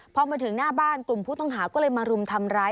พอมาถึงหน้าบ้านกลุ่มผู้ต้องหาก็เลยมารุมทำร้าย